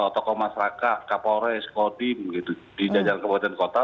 tokoh masyarakat kapolres kodim di jajaran kabupaten kota